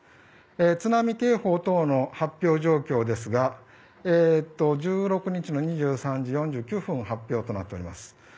津波警報等の発表状況ですが１６日の２３時４９分発表となっております。